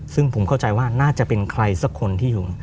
ซึ่งผมเข้าใจว่าน่าจะเป็นใครสักคนที่อยู่